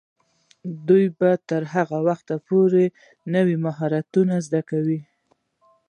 دوی به تر هغه وخته پورې نوي مهارتونه زده کوي.